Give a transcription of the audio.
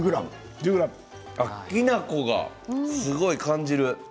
きな粉をすごく感じる。